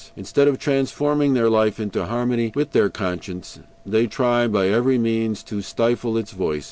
Instead of transforming their life into harmony with their conscience, they try by every means to stifle its voice.